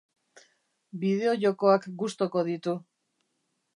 Bideojokoak gustuko ditu.